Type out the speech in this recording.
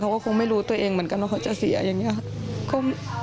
เขาก็คงไม่รู้ตัวเองเหมือนกันว่าเขาจะเสียอย่างนี้